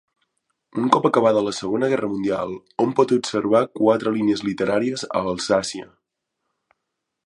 Un cop acabada la Segona Guerra Mundial, hom pot observar quatre línies literàries a Alsàcia.